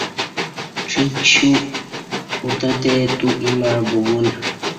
پڄیک ݜیو اوتیتہ تو ییں مع بگل